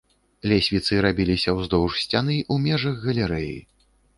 Лесвіцы рабіліся ўздоўж сцяны ў межах галерэі.